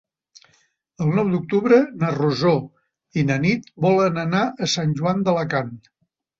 El nou d'octubre na Rosó i na Nit volen anar a Sant Joan d'Alacant.